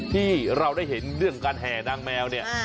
ที่เราได้เห็นเรื่องการแห่นางแมวเนี่ย